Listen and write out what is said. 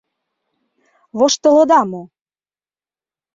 — Воштылыда мо?